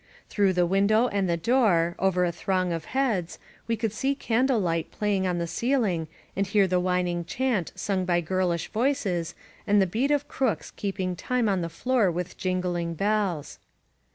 Through the window and the door, over a throng of heads, we could see candle light playing on the ceiling and hear a whining chant sung by girlish voices, and the beat of crooks keeping time on the floor with jingling bells.